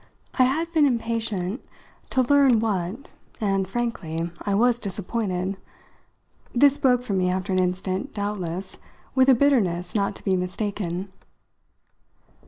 I had been impatient to learn what, and, frankly, I was disappointed. This broke from me, after an instant, doubtless, with a bitterness not to be mistaken.